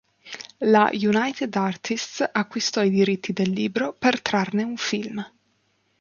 La United Artists acquistò i diritti del libro per trarne un film.